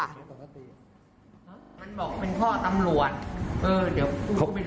มันบอกว่าเป็นพ่อตำรวจเดี๋ยวกูไปดู